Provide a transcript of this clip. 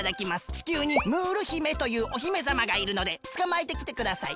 地球にムール姫というお姫さまがいるのでつかまえてきてください。